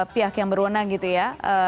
pihak yang berwenang gitu ya